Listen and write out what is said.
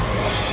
tidak pak mati